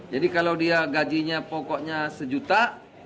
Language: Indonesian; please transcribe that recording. jadi kalau dia gajinya pokoknya sejuta